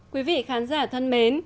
quý vị khán giả thân mến